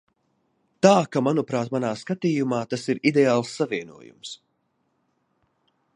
Tā ka, manuprāt, manā skatījumā, tas ir ideāls savienojums.